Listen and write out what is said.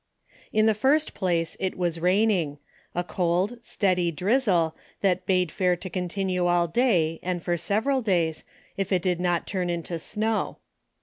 In the first place it was raining. A cold, steady drizzle, that bade fair to continue all day and for several days, if it did not turn into snow.